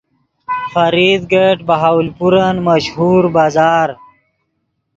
فرید گیٹ بہاولپورن مشہور بازار